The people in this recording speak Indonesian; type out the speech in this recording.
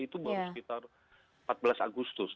itu baru sekitar empat belas agustus